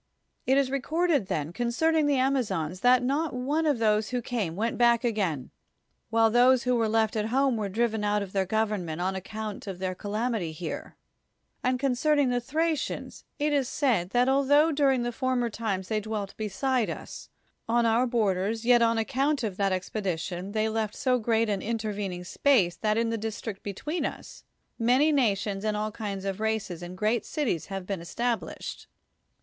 It is recorded, then, concerning the Amazons, that not one of those who came went back again, while those who were left at home were driven out of their government on account of their calamity here ; and concern ing the Thracians, [it is said] that altho during the former times they dwelt beside us, on our borders, yet on account of that expedition they left so great an intervening space, that in the district between us, many nations and all kinds of races and great cities have been established.